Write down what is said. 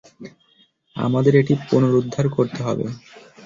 আমাদের এটি পুনরুদ্ধার করতে হবে।